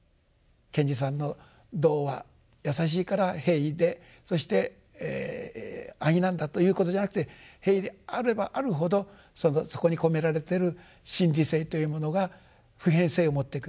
賢治さんの童話やさしいから平易でそして安易なんだということじゃなくて平易であればあるほどそこに込められてる真理性というものが普遍性を持ってくる。